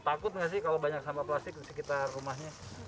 takut nggak sih kalau banyak sampah plastik di sekitar rumahnya